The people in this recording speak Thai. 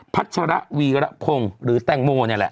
ัชระวีระพงศ์หรือแตงโมนี่แหละ